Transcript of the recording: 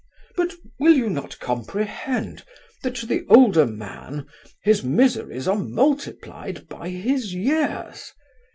But will you not comprehend that to the older man his miseries are multiplied by his years?